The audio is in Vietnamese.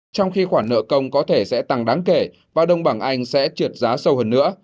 trong khi khoản nợ công có thể sẽ tăng đáng kể và đồng bằng anh sẽ trượt giá sâu hơn nữa